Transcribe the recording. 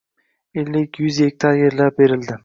Ellik, yuz gektar yerlar berildi.